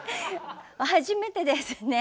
初めてですね。